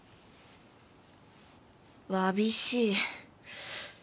わびしい。